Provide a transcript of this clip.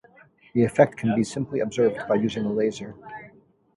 The effect can be simply observed by using a laser.